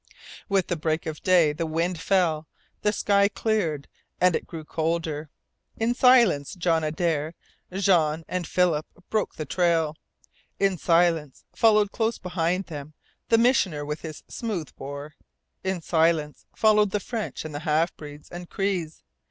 With the break of day the wind fell, the sky cleared, and it grew colder. In silence John Adare, Jean, and Philip broke the trail. In silence followed close behind them the Missioner with his smooth bore. In silence followed the French and half breeds and Crees.